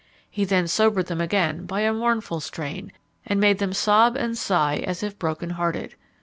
He then sobered them again by a mournful strain, and made them sob and sigh as if broken hearted.